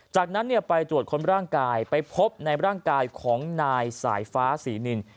จากนั้นไปตรวจค้นร่างกายไปพบในร่างกายของนายสายฟ้าศรีนิน